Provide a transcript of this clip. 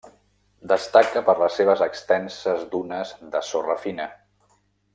Destaca per les seves extenses dunes de sorra fina.